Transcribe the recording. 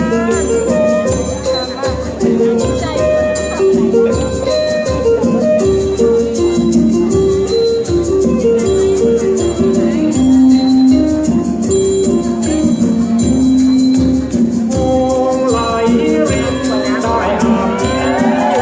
มุ่งไหลลิฟต์มันจะได้หาเพียงอยู่ในเมือง